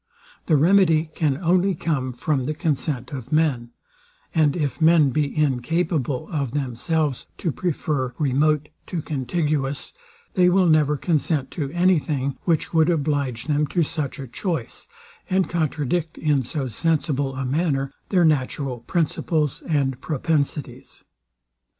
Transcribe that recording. The remedy can only come from the consent of men; and if men be incapable of themselves to prefer remote to contiguous, they will never consent to any thing, which would oblige them to such a choice, and contradict, in so sensible a manner, their natural principles and propensities.